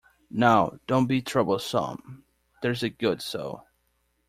Now don't be troublesome, there's a good soul!